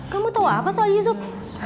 kamu tahu apa soal yusuf